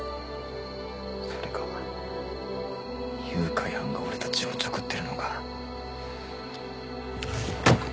それか誘拐犯が俺たちをおちょくってるのか。